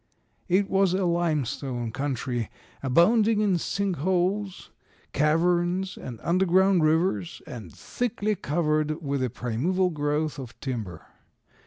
It was a limestone country, abounding in sink holes, caverns, and underground rivers, and thickly covered with a primeval growth of timber.